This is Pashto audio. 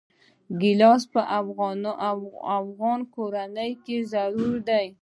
ګیلاس په افغاني کورونو کې ضروري دی.